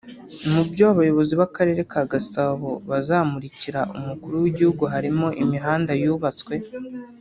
Mu byo abayobozi b’Akarere ka Gasabo bazamurikira Umukuru w’igihugu harimo imihanda yubatswe